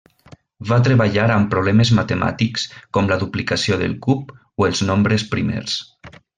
Va treballar amb problemes matemàtics, com la duplicació del cub o els nombres primers.